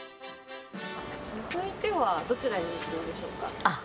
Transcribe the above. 続いてはどちらに行くんでしょうか？